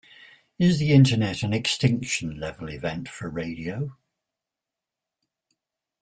Is the Internet an Extinction Level Event for Radio?